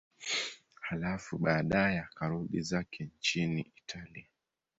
Halafu baadaye akarudi zake nchini Italia.